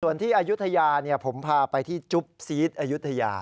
ส่วนที่อายุธยาผมพาไปที่จุปศีษย์อายุธยา